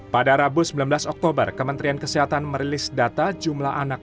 pada rabu sembilan belas oktober kementerian kesehatan merilis data jumlah anak